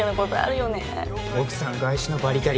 奥さん外資のバリキャリ。